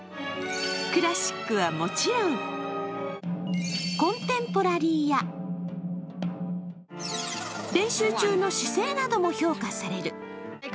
クラシックはもちろん、コンテンポラリーや練習中の姿勢なども評価される。